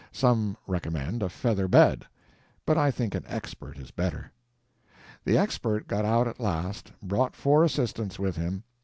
Some recommend a feather bed, but I think an Expert is better. The Expert got out at last, brought four assistants with him.